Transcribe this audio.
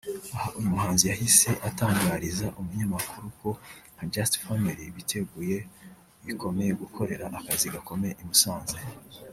Aha uyu muhanzi yahise atangariza umunyamakuru ko nka Just Family biteguye bikomeye gukorera akazi gakomeye i Musanze